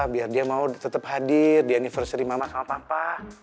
biar dia mau tetap hadir dia anniversary mama kalau papa